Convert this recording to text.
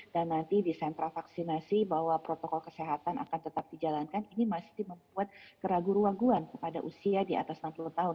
dan nanti di sentra vaksinasi bahwa protokol kesehatan akan tetap dijalankan ini masih membuat keraguan keraguan kepada usia di atas enam puluh tahun